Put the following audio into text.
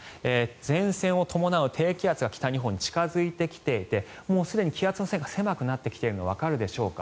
前線を伴う低気圧が北日本に近付いてきていてもうすでに気圧の線が狭くなってきているのわかるでしょうか。